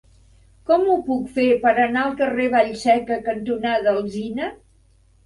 Com ho puc fer per anar al carrer Vallseca cantonada Alzina?